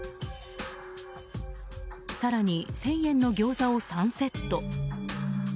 更に、１０００円のギョーザを３セット。